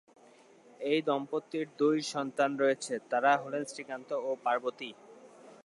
এই দম্পতির দুই সন্তান রয়েছে, তারা হলেন শ্রীকান্ত ও পার্বতী।